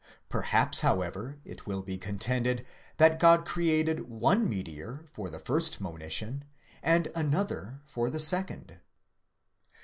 Perhaps, however, it will be contended that God created one meteor for the first monition, and another for the second.